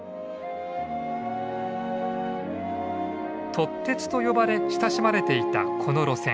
「とってつ」と呼ばれ親しまれていたこの路線。